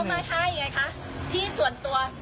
อันนั้น